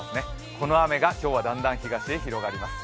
この雨が今日はだんだん東へ広がります。